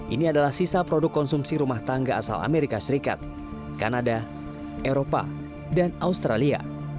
ini adalah sisa produk konsumsi rumah tangga asal amerika serikat kanada eropa dan australia